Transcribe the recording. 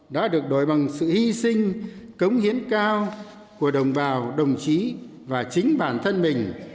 đã được đổi bằng sự hy sinh cống hiến cao của đồng bào đồng chí và chính bản thân mình